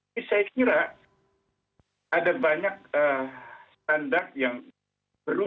jadi saya kira ada banyak standar yang beruntung